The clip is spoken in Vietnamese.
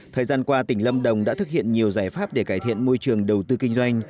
thời gian qua tỉnh lâm đồng đã thực hiện nhiều giải pháp để cải thiện môi trường đầu tư kinh doanh